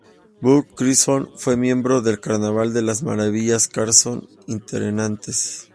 Buck Chisholm fue miembro del Carnaval de las Maravillas Carson itinerantes.